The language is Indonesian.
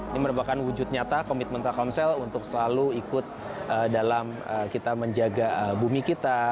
ini merupakan wujud nyata komitmen telkomsel untuk selalu ikut dalam kita menjaga bumi kita